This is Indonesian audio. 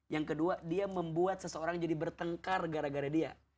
yang kedua dia membuat seseorang jadi bertengkar gara gara dia